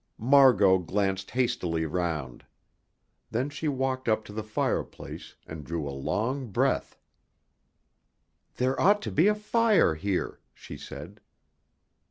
Margot glanced hastily round. Then she walked up to the fireplace, and drew a long breath. "There ought to be a fire here," she said.